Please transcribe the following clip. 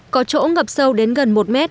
có chỗ ngập sâu đến gần một mét